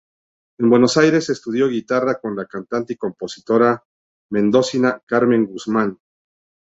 En Buenos Aires estudió guitarra con la cantante y compositora mendocina Carmen Guzmán.